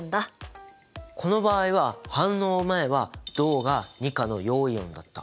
この場合は反応前は銅が２価の陽イオンだった。